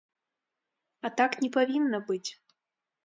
А так не павінна быць.